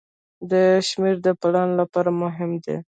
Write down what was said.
دا شمیرې د پلان لپاره مهمې دي.